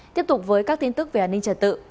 tiếp tục với các tin tức về an ninh trật tự